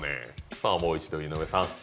さあもう一度井上さん。